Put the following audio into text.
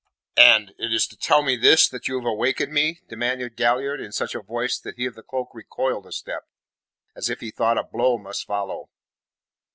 "And it is to tell me this that you have awakened me?" demanded Galliard in such a voice that he of the cloak recoiled a step, as if he thought a blow must follow.